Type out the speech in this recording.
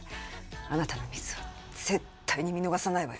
あなたのミスは絶対に見逃さないわよ。